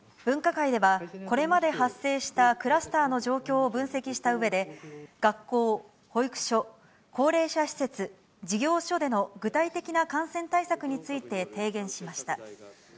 分科会では、これまで発生したクラスターの状況を分析したうえで、学校、保育所、高齢者施設、事業所での具体的な感染対策について提言しました。